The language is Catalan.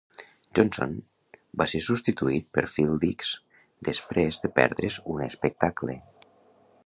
Johnson va ser substituït per Phil Dix després de perdre's un espectacle.